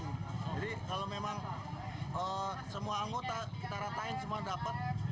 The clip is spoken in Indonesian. jadi kalau memang semua anggota kita ratain semua dapat